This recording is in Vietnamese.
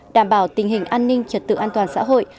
đảm bảo tình hình an ninh trật tự an toàn xã hội